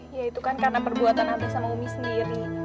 ya itu kan karena perbuatan anak sama umi sendiri